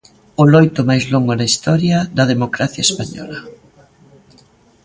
O loito máis longo na historia da democracia española.